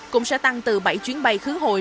cũng sẽ tăng từ bảy chuyến bay khứ hội